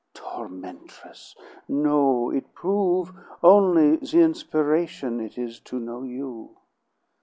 "Tormentress! No. It prove only the inspiration it is to know you."